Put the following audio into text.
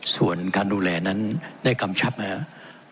ส่วนการดูแลนั้นได้กำชับไหมครับ